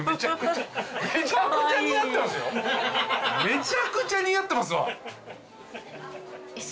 めちゃくちゃ似合ってますわ。